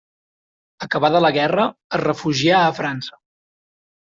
Acabada la guerra, es refugià a França.